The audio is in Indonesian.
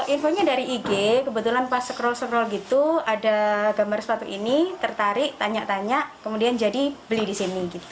infonya dari ig kebetulan pas scroll scroll gitu ada gambar sepatu ini tertarik tanya tanya kemudian jadi beli di sini